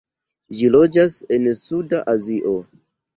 Ĝi loĝas en Suda Azio.